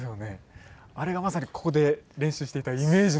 あれがまさにここで練習していたイメージの。